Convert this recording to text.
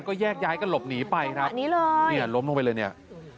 ก็แยกย้ายกันหลบหนีไปครับแบบนี้เลยเนี่ยล้มลงไปเลยเนี่ย